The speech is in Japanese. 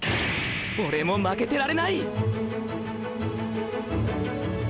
俺も負けてられないっ！